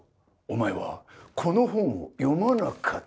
お前はこの本を読まなかった。